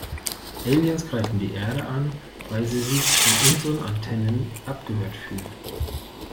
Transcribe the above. Aliens greifen die Erde an, weil sie sich von unseren Antennen abgehört fühlen.